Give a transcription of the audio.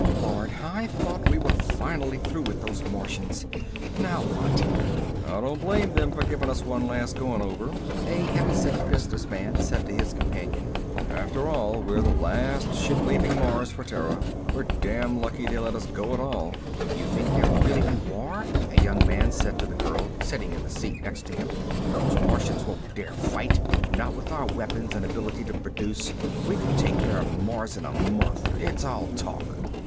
"Lord, I thought we were finally through with those Martians. Now what?" "I don't blame them for giving us one last going over," a heavy set business man said to his companion. "After all, we're the last ship leaving Mars for Terra. We're damn lucky they let us go at all." "You think there really will be war?" A young man said to the girl sitting in the seat next to him. "Those Martians won't dare fight, not with our weapons and ability to produce. We could take care of Mars in a month. It's all talk."